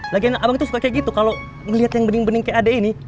lagian abang tuh suka kayak gitu kalo ngeliat yang bening bening kayak adek ini